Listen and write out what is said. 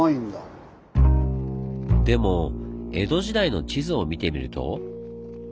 でも江戸時代の地図を見てみると。